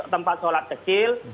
tempat sholat kecil